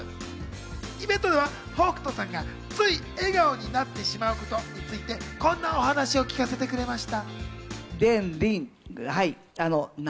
イベントでは北斗さんがつい笑顔になってしまうことについて、こんなお話を聞かせてくれました。